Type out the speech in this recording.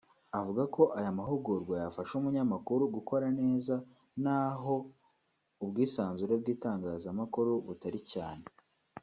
Avuga ko aya mahugurwa yafasha umunyamakuru gukora neza n’aho ubwisanzure bw’itangazamakuru butari cyane